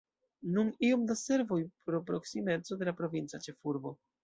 Nun iom da servoj pro proksimeco de la provinca ĉefurbo.